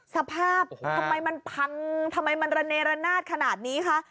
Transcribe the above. สภาพทำไมมันพังทำไมมันระเนรนาศขนาดนี้คะ